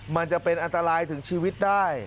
มันจะเป็นอันตรายถึงชีวิตทั้งละคร